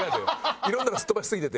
いろんなのすっ飛ばしすぎてて。